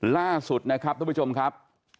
ล่าสุดนะครับทุกผู้ชมครับ